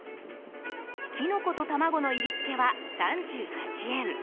キノコと卵のいりつけは３８円。